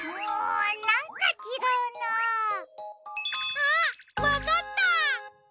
あっわかった！